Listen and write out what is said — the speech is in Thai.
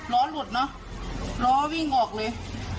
ล้อหลุดเนอะล้อวิ่งออกเลย